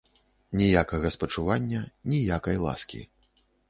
Ніякага спачування, ніякай ласкі.